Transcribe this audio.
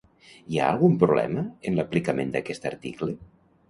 Hi ha algun problema en l'aplicament d'aquest article?